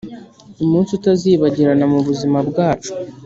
…Umunsi utazibagirana mu buzima bwacu